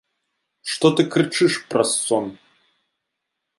Што ты крычыш праз сон?